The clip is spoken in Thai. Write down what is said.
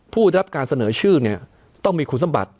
ผู้ที่จะรับการเสนอชื่อนี้ต้องมีคุณศึกษาบัตร